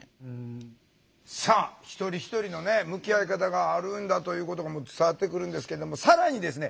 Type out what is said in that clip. さあ一人一人の向き合い方があるんだということが伝わってくるんですけども更にですね